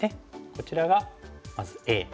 こちらがまずＡ。